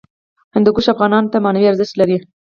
هندوکش افغانانو ته معنوي ارزښت لري.